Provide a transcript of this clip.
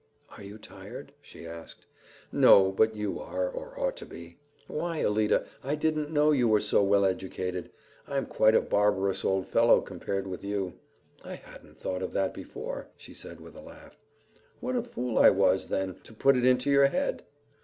"Are you tired?" she asked. "No, but you are, or ought to be. Why, Alida, I didn't know you were so well educated. I'm quite a barbarous old fellow compared with you." "I hadn't thought of that before," she said with a laugh. "What a fool I was, then, to put it into your head!"